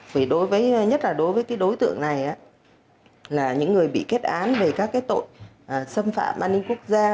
vì đối với nhất là đối với cái đối tượng này là những người bị kết án về các cái tội xâm phạm an ninh quốc gia